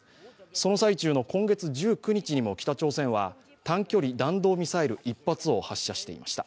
その最中の今月１９日にも北朝鮮は短距離弾道ミサイル１発を発射していました。